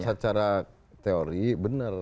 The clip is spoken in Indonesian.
secara teori benar